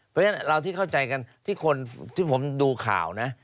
เพราะฉะนั้นเราที่เข้าใจกันที่คนที่ผมดูข่าวนะ